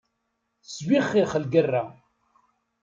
Tesbixxix lgerra.